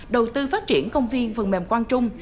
đầu tư phát triển công viên vần mềm quan trung